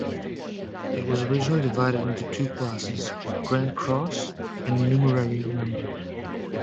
It was originally divided into two classes: "Grand Cross" and "Numerary Member".